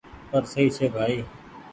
پر سئي ڇي ڀآئي ۔